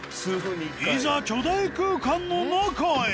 いざ巨大空間の中へ！